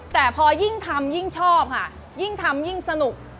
แต่พอยิ่งทำยิ่งชอบค่ะยิ่งทำยิ่งสนุก